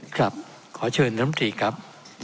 ขอเชิญน้ำสีครับ